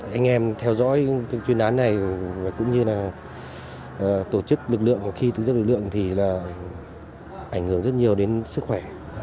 anh em theo dõi chuyên đán này cũng như là tổ chức lực lượng khi tổ chức lực lượng thì là ảnh hưởng rất nhiều đến sức khỏe